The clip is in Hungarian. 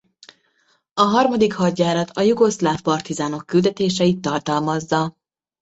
A harmadik hadjárat a jugoszláv partizánok küldetéseit tartalmazza.